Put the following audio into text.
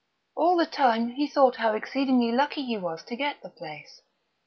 All the time, he thought how exceedingly lucky he was to get the place.